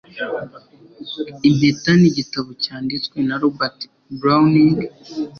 Impeta nigitabo cyanditswe na Robert Browning